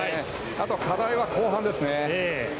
あとは課題は後半ですね。